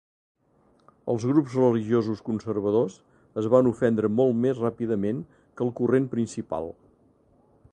Els grups religiosos conservadors es van ofendre molt més ràpidament que el corrent principal.